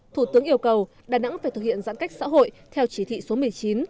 thủ tướng yêu cầu đà nẵng phải thực hiện giãn cách xã hội